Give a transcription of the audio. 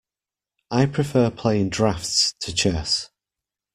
I prefer playing draughts to chess